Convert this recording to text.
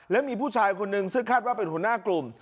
และมีผู้ชายคนหนึ่งซึ่งคาดว่าเป็นหัวหน้ากลุ่ม